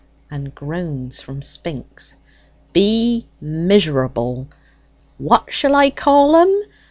and groans from Spinks) "be miserable what shall I call 'em?